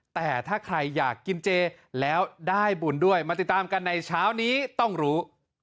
แต่ถ้าใครอยากกินเจแล้วได้บุญด้วยมาติดตามกันในเช้านี้ต้องรู้